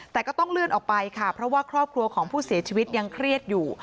แต่ก็ต้องเลื่อนออกไปค่ะเพราะว่าครอบครัวของผู้เสียชีวิตยังเครียดอยู่